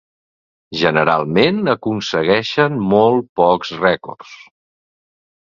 Generalment aconsegueixen molt pocs rècords.